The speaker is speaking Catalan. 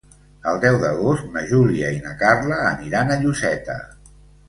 El deu d'agost na Júlia i na Carla aniran a Lloseta.